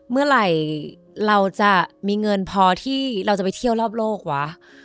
เมื่อไหร่เราจะมีเงินพอที่เราจะไปเที่ยวรอบโลกวะ